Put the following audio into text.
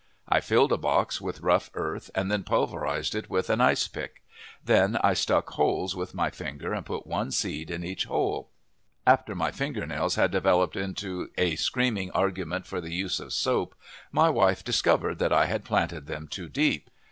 I filled a box with rough earth and then pulverized it with an ice pick. Then I stuck holes with my finger and put one seed in each hole. After my fingernails had developed into a screaming argument for the use of soap, my wife discovered that I had planted them too deep.